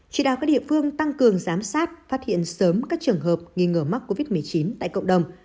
chỉ đạo các địa phương tăng cường giám sát phát hiện sớm các trường hợp nghi ngờ mắc covid một mươi chín tại cộng đồng